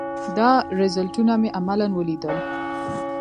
دا رذالتونه مې عملاً وليدل.